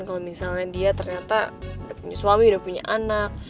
kalau misalnya dia ternyata udah punya suami udah punya anak